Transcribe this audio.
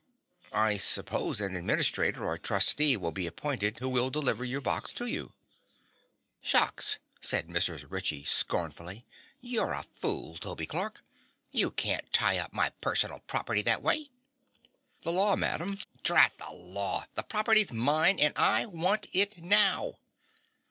I suppose an administrator or trustee will be appointed who will deliver your box to you." "Shucks!" cried Mrs. Ritchie scornfully; "you're a fool, Toby Clark. You can't tie up my personal property that way." "The law, madam " "Drat the law! The property's mine, and I want it now."